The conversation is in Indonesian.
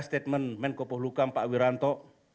statement menko pohlukam pak wiranto